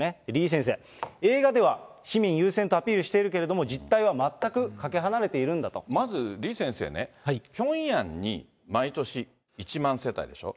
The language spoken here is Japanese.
李先生、映画では市民優先とアピールしているけれども、実態は全くかけ離まず李先生ね、ピョンヤンに毎年１万世帯でしょ。